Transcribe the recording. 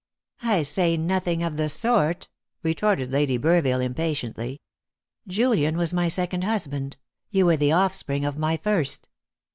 "I say nothing of the sort," retorted Lady Burville impatiently. "Julian was my second husband; you were the offspring of my first."